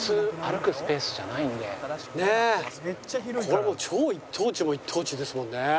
これもう超一等地も一等地ですもんね。